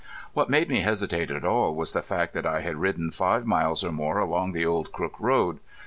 What made me hesitate at all was the fact that I had ridden five miles or more along the old Crook road.